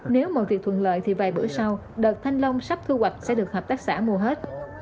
nếu mọi việc thuận lợi thì vài bữa sau đợt thanh long sắp thu hoạch sẽ được hợp tác xã mua hết